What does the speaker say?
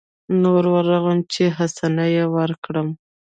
نو ورغلم چې حسنه يې ورکړم.